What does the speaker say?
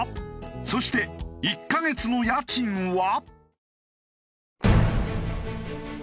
そして１カ月の家賃は？